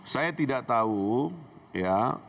saya tidak tahu ya